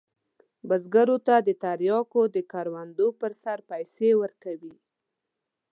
بزګرو ته د تریاکو د کروندو پر سر پیسې ورکوي.